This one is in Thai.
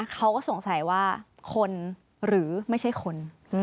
เขาก็สงสัยว่าคนหรือไม่ใช่คน